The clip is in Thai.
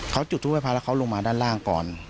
เขาจุดทูปให้พระแล้วเขาลงมาด้านล่างก่อน